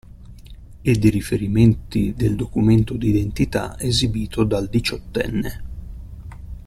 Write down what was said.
Ed i riferimenti del documento d'identità esibito dal diciottenne.